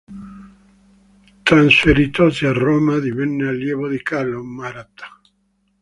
Trasferitosi a Roma, divenne allievo di Carlo Maratta.